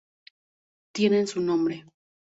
Tienen su nombre.